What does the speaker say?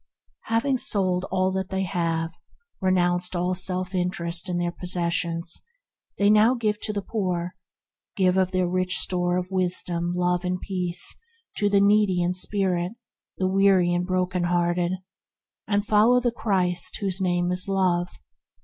Hav 76 ENTERING THE KINGDOM ing sold all that they have by renouncing all self interest in their possesions, they now give to the poor by giving of their rich store of wisdom, love, and peace to the needy in spirit, the weary and broken hearted, and follow the Christ whose name is Love.